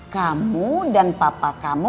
kamu dan papa kamu